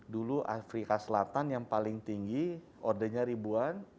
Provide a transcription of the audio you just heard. dulu afrika selatan yang paling tinggi ordenya ribuan